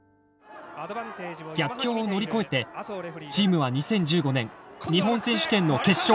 逆境を乗り越えてチームは２０１５年日本選手権の決勝へ。